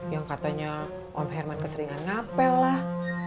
yang katanya om herman keseringan ngapel lah